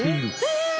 え！？